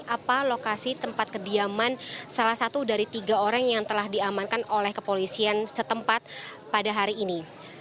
apa lokasi tempat kediaman salah satu dari tiga orang yang telah diamankan oleh kepolisian setempat pada hari ini